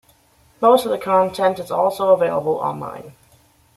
Most of the content is also available online.